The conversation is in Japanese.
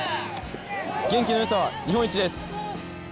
元気のよさは日本一です。